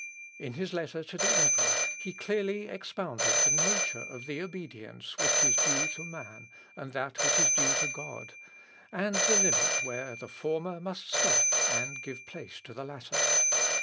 In his letter to the emperor he clearly expounded the nature of the obedience which is due to man, and that which is due to God, and the limit where the former must stop and give place to the latter.